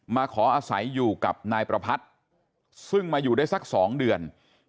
มาขออาศัยอยู่กับนายประพัทธ์ซึ่งมาอยู่ได้สัก๒เดือน